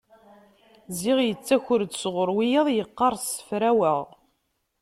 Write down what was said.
Ziɣ yettaker-d sɣur wiyaḍ, yeqqar-d ssefraweɣ!